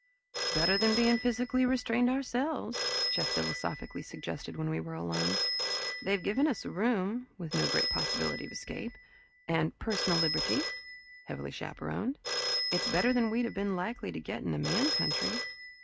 "It's better than being physically restrained ourselves," Jeff philosophically suggested when we were alone. "They've given us a room with no great possibility of escape and personal liberty heavily chaperoned. It's better than we'd have been likely to get in a man country."